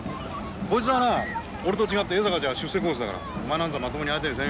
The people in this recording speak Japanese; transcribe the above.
こいつはな俺と違って江坂じゃ出世コースだからお前なんぞはまともに相手にせんよ。